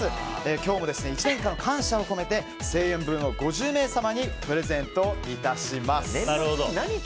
今日は１年間の感謝を込めて１０００円分を５０名様にプレゼント致します。